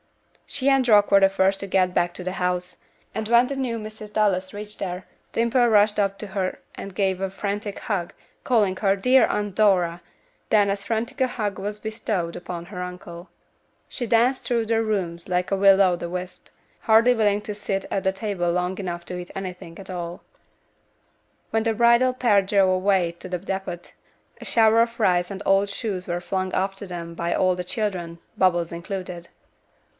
She and Rock were the first to get back to the house, and when the new Mrs. Dallas reached there, Dimple rushed up to her and gave her a frantic hug, calling her "dear Aunt Dora;" then as frantic a hug was bestowed upon her uncle. She danced through the rooms like a will o' the wisp, hardly willing to sit at the table long enough to eat anything at all. When the bridal pair drove away to the depot, a shower of rice and old shoes were flung after them by all the children, Bubbles included.